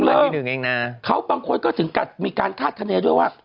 อันนี้มีหนึ่งเองน่ะเขาบางคนก็ถึงกัดมีการธาตุทันเนยด้วยว่า